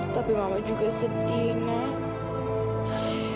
tapi mama juga sedih nak